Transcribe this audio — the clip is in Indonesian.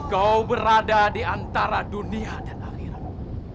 kau berada di antara dunia dan aliran